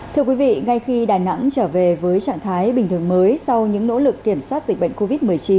thưa quý vị ngay khi đà nẵng trở về với trạng thái bình thường mới sau những nỗ lực kiểm soát dịch bệnh covid một mươi chín